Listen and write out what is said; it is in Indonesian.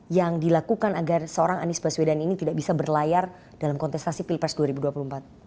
yang dilakukan agar seorang anies baswedan ini tidak bisa berlayar dalam kontestasi pilpres dua ribu dua puluh empat